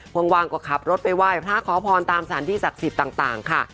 ว่างก็ขับรถไปไหว้พระขอพรตามสถานที่ศักดิ์สิทธิ์ต่างค่ะ